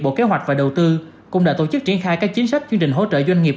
bộ kế hoạch và đầu tư cũng đã tổ chức triển khai các chính sách chương trình hỗ trợ doanh nghiệp